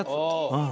うん。